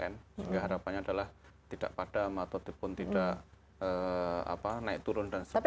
sehingga harapannya adalah tidak padam ataupun tidak naik turun dan sebagainya